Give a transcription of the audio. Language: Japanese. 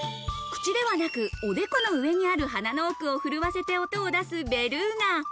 口ではなく、おでこの上にある鼻の奥を震わせて音を出すベルーガ。